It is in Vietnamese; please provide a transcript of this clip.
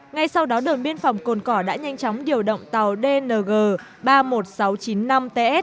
ngay sau đó đồn biên phòng cồn cỏ đã nhanh chóng điều động tàu dng ba mươi một nghìn sáu trăm chín mươi năm ts